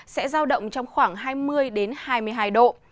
sẽ giao động trong khoảng hai mươi hai mươi hai độ